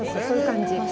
そういう感じ。